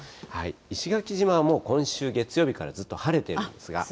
石垣島はもう、今週月曜日からずっと晴れているんですが。